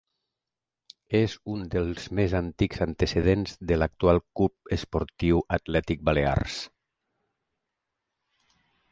És un dels més antics antecedents de l'actual Club Esportiu Atlètic Balears.